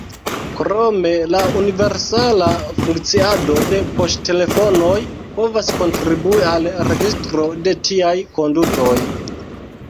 Krome la universala funkciado de poŝtelefonoj povas kontribui al registro de tiaj kondutoj.